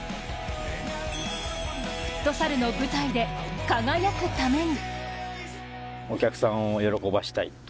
フットサルの舞台で輝くために。